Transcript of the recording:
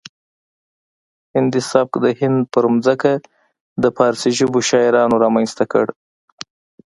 هندي سبک د هند په ځمکه د فارسي ژبو شاعرانو رامنځته کړ